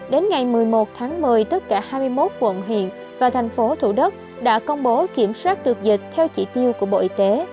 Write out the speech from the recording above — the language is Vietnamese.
đến ngày một mươi một tháng một mươi tất cả hai mươi một quận huyện và thành phố thủ đức đã công bố kiểm soát được dịch theo chỉ tiêu của bộ y tế